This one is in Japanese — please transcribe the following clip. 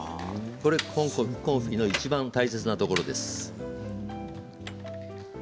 コンフィのいちばん大切なところです。